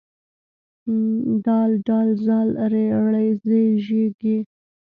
د ډ ذ ر ړ ز ژ ږ